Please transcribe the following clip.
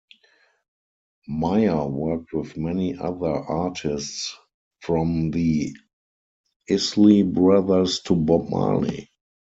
Mayer worked with many other artists from the Isley Brothers to Bob Marley.